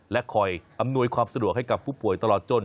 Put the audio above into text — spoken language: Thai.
และคอยอำนวยความสะดวกให้กับผู้ป่วยตลอดจน